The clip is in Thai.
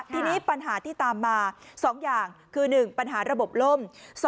ทีนี้ปัญหาที่ตามมา๒อย่างคือ๑ปัญหาระบบล่ม